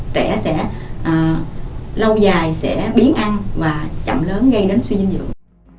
trẻ sẽ lâu dài biến ăn và chậm lớn gây đến suy dinh dưỡng